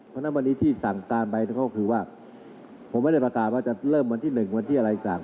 แล้ววันนี้ที่สั่งการไปก็คือว่าผมไม่ได้ประกาศว่าจะเริ่มวันที่๑วันที่อะไรอีกต่าง